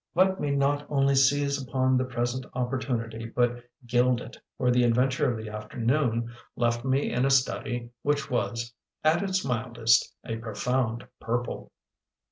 Let me not only seize upon the present opportunity but gild it, for the adventure of the afternoon left me in a study which was, at its mildest, a profound purple.